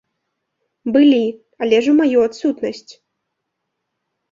Былі, але ж у маю адсутнасць.